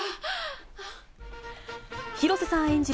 広瀬さん演じる